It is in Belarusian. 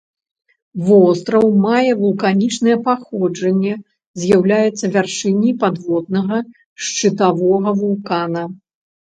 Востраў мае вулканічнае паходжанне, з'яўляецца вяршыняй падводнага шчытавога вулкана.